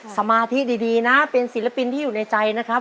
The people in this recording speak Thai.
สมาธิดีนะเป็นศิลปินที่อยู่ในใจนะครับ